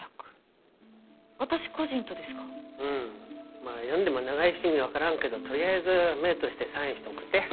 まぁ読んでも長いし意味分からんけど取りあえず目通してサインして送って。